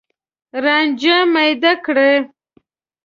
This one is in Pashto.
رانجه میده کړي